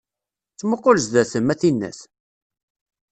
Ttmuqul zdat-m, a tinnat!